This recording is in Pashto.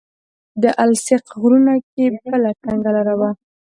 د السیق غرونو کې بله تنګه لاره وه.